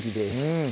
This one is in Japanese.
うん